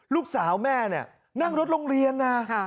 ลูกสาวแม่นั่งรถโรงเรียนน่ะ